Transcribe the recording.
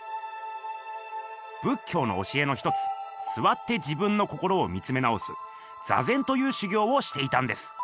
仏教の教えの一つ座って自分の心を見つめ直す「座禅」という修行をしていたんです。